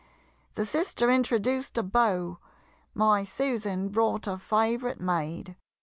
The sister introduced a Beau My Susan brought a favorite maid.